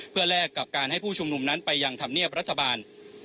เพื่อแลกกับการให้ผู้ชุมนุมนั้นไปยังธรรมเนียบรัฐบาล